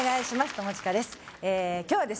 友近です